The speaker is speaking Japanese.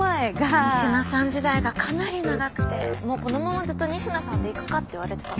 仁科さん時代がかなり長くてもうこのままずっと仁科さんでいくかって言われてたの。